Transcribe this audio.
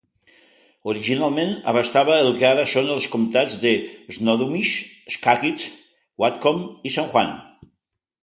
Originalment abastava el que ara són els comtats de Snohomish, Skagit, Whatcom i San Juan.